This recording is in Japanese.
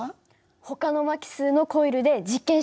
ほかの巻き数のコイルで実験してみる。